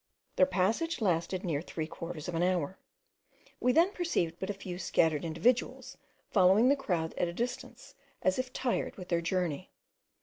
Their passage lasted near three quarters of an hour. We then perceived but a few scattered individuals, following the crowd at a distance as if tired with their journey.